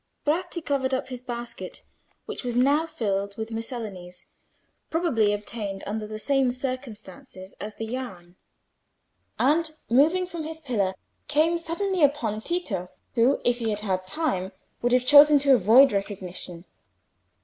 Bratti covered up his basket, which was now filled with miscellanies, probably obtained under the same sort of circumstances as the yarn, and, moving from his pillar, came suddenly upon Tito, who, if he had had time, would have chosen to avoid recognition.